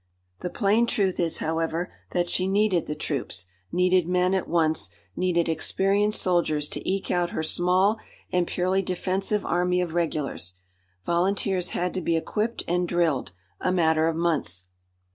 The plain truth is, however, that she needed the troops, needed men at once, needed experienced soldiers to eke out her small and purely defensive army of regulars. Volunteers had to be equipped and drilled a matter of months.